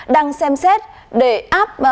đang xem xét để áp